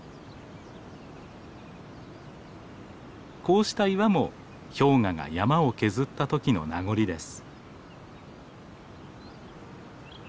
こうした岩も氷河が山を削ったときの名残です。